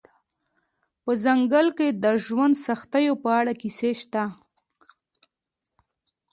په ځنګل کې د ژوند سختیو په اړه کیسې شته